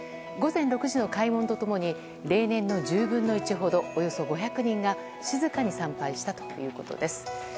午前６時の開門と共に例年の１０分の１ほどおよそ５００人が静かに参拝したということです。